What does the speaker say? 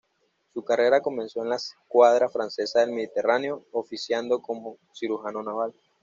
Su carrera comenzó en la escuadra francesa del Mediterráneo, oficiando como cirujano naval.